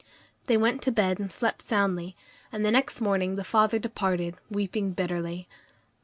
They went to bed and slept soundly, and the next morning the father departed, weeping bitterly.